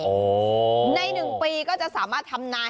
ในหนึ่งปีก็จะสามารถทำนา